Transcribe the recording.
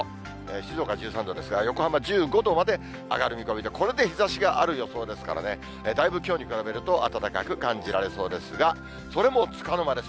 静岡１３度ですが、横浜１５度まで上がる見込みで、これで日ざしがある予想ですからね、だいぶきょうに比べると暖かく感じられそうですが、それもつかの間です。